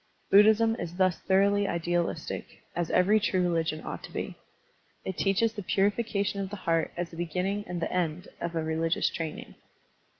Buddhism is thus thoroughly idealistic, as every true religion ought to be. It teaches the purification of the heart as the beginning and the end of all religious training.